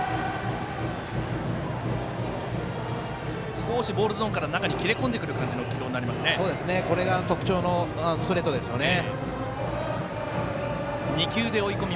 少しボールゾーンから外に切れ込んでくるようなこれが特徴のストレートですよね。